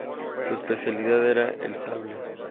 Su especialidad era el sable.